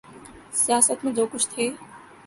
سیاست میں جو کچھ تھے۔